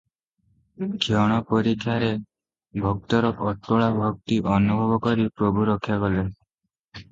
କ୍ଷୀଣ ପରୀକ୍ଷାରେ ଭକ୍ତର ଅଟଳାଭକ୍ତି ଅନୁଭବ କରି ପ୍ରଭୁ ରକ୍ଷା କଲେ ।